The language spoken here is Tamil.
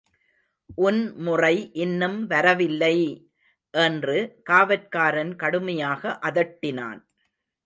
உன் முறை இன்னும் வரவில்லை! என்று காவற்காரன் கடுமையாக அதட்டினான்.